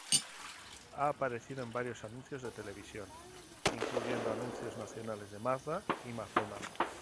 Ha aparecido en varios anuncios de televisión, incluyendo anuncios nacionales de Mazda y McDonald.